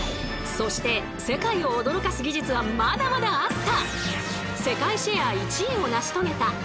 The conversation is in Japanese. そして世界を驚かす技術はまだまだあった。